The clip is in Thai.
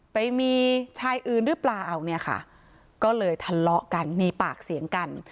ไปมีชายอื่นหรือเปล่าเนี่ยค่ะก็เลยทะเลาะกันมีปากเสียงกัน